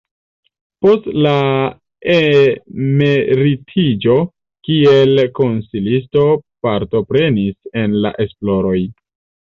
Post la emeritiĝo kiel konsilisto partoprenis en la esploroj.